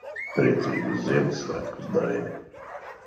Priecīgus Ziemassvētkus, Daini.